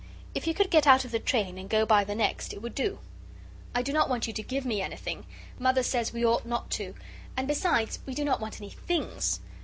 If you could get out of the train and go by the next, it would do. I do not want you to give me anything. Mother says we ought not to. And besides, we do not want any THINGS.